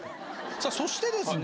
さあそしてですね